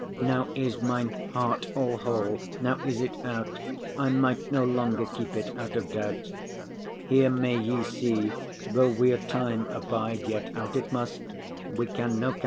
Now is mine heart all whole; now is it out; I might no longer keep it, out of doubt.” Here may ye see, though we a time abide, Yet out it must, we can no counsel hide.